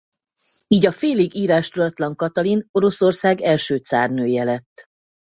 Így a félig írástudatlan Katalin Oroszország első cárnője lett.